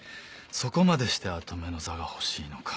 そこまでして跡目の座が欲しいのか。